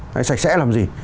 hay sạch sẽ làm gì